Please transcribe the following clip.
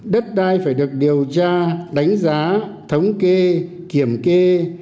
đất đai phải được điều tra đánh giá thống kê kiểm kê